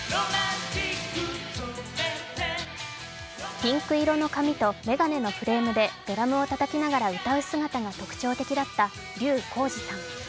ピンク色の髪とメガネのフレームでドラムをたたきながら歌う姿が特徴的だった笠浩二さん。